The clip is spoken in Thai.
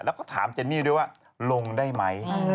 แล้วก็ถามเจนนี่ด้วยว่าลงได้ไหม